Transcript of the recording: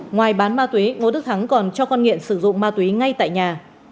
ngoài bán ma túy ngô đức thắng còn cho con nghiện sử dụng ma túy ngay tại nhà